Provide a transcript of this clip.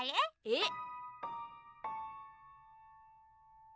えっ？